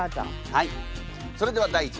はい。